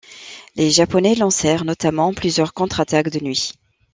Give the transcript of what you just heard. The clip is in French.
Les Japonais lancèrent notamment plusieurs contre-attaques de nuit.